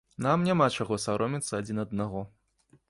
Нам няма чаго саромецца адзін аднаго.